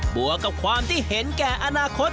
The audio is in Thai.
บัวกับความเธอเห็นแก่อนาคาร